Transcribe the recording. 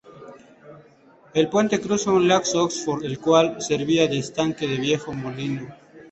El puente cruza un lago Oxford el cual servía de estanque de viejo molino.